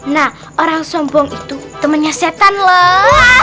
nah orang sombong itu temennya setan loh